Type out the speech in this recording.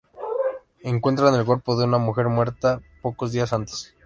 Encuentran el cuerpo de una mujer muerta pocos días antes.